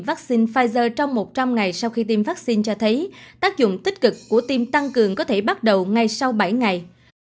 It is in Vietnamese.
vaccine pfizer trong một trăm linh ngày sau khi tiêm vaccine cho thấy tác dụng tích cực của tiêm tăng cường có thể bắt đầu ngay sau bảy ngày